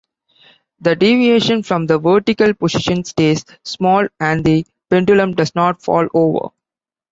The deviation from the vertical position stays small, and the pendulum doesn't fall over.